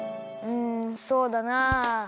うんそうだなあ。